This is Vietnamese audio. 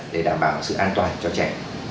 để đảm bảo sự an toàn cho trẻ